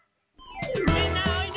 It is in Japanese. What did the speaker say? みんなおいで！